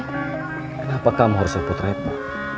kenapa kamu harus seputar itu